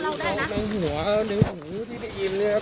เรื่องราวในหัวในหูที่ได้ยินนะครับ